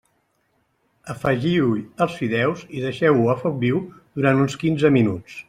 Afegiu-hi els fideus i deixeu-ho a foc viu durant uns quinze minuts.